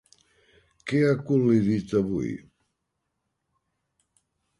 Què ha col·lidit avui?